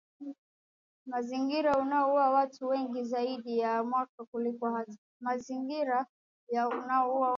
mazingira unaua watu wengi zaidi kila mwaka kuliko hata